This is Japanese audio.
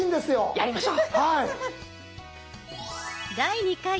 やりましょう！